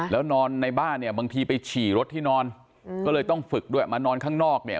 แล้วนอนในบ้านเนี่ยบางทีไปฉี่รถที่นอนก็เลยต้องฝึกด้วยมานอนข้างนอกเนี่ย